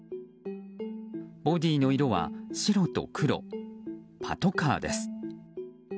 ボディの色は白と黒パトカーです。